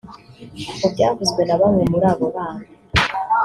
Mu byavuzwe na bamwe muri abo bana